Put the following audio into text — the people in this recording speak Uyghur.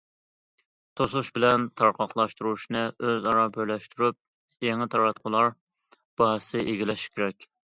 توسۇش بىلەن تارقاقلاشتۇرۇشنى ئۆزئارا بىرلەشتۈرۈپ، يېڭى تاراتقۇلار بازىسىنى ئىگىلەش كېرەك.